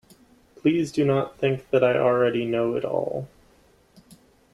Please do not think that I already know it all.